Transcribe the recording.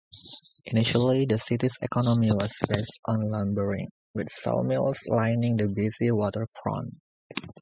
Initially, the city's economy was based on lumbering, with sawmills lining the busy waterfront.